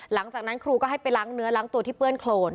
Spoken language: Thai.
หลังจากนั้นครูก็ให้ไปล้างเนื้อล้างตัวที่เปื้อนโครน